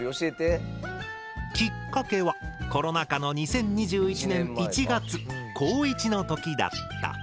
きっかけはコロナ禍の２０２１年１月高１の時だった。